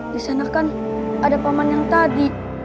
di sana kan ada paman yang tadi